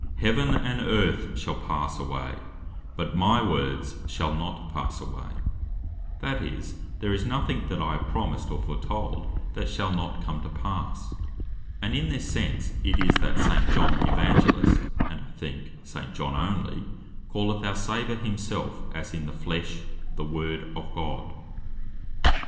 "heaven and earth shal pass away, but my Words shall not pass away;" that is, there is nothing that I have promised or foretold, that shall not come to passe. And in this sense it is, that St. John the Evangelist, and, I think, St. John onely calleth our Saviour himself as in the flesh "the Word of God (as Joh. 1.14.)